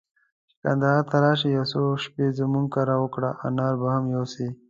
چي کندهار ته راسې، يو څو شپې زموږ کره وکړه، انار به هم يوسې.